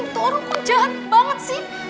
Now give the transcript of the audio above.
itu orang kok jahat banget sih